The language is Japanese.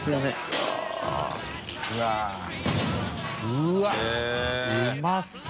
うわぁうまそう！